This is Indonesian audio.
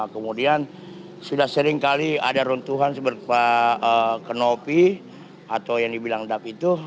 kemudian sudah seringkali ada runtuhan seperti kenopi atau yang dibilang dap itu